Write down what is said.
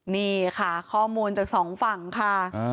นี่ค่ะข้อมูลจากสองฝั่งค่ะ